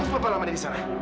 terus berapa lama dia di sana